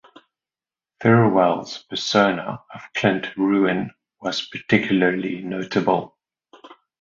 Thirlwell's persona of Clint Ruin was particularly notable.